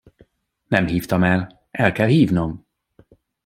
Nem hívtam el, el kell hívnom.